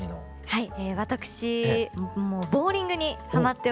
はい。